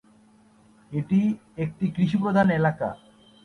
এটি একটি কৃষিপ্রধান এলাকা।